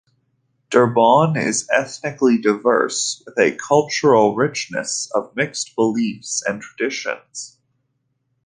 Durban is ethnically diverse, with a cultural richness of mixed beliefs and traditions.